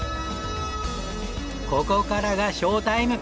ここからがショータイム！